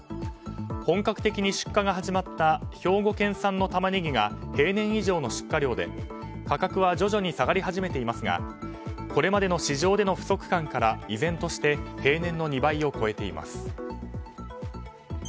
本格的に出荷が始まった兵庫県産のタマネギが平年以上の出荷量で、価格は徐々に下がり始めていますがこれまでの市場での不足感から依然として平年の２倍を超えています。